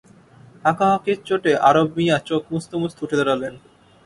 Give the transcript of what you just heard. হাঁকাহাঁকির চোটে আরব মিঞা চোখ মুছতে মুছতে উঠে দাঁড়ালেন।